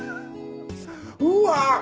うわ！